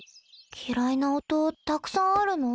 嫌いな音たくさんあるの？